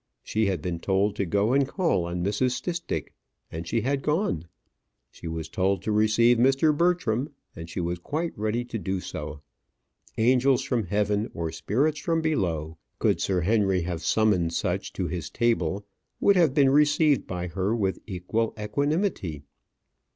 She had been told to go and call on Mrs. Stistick, and she had gone. She was told to receive Mr. Bertram, and she was quite ready to do so. Angels from heaven, or spirits from below, could Sir Henry have summoned such to his table, would have been received by her with equal equanimity.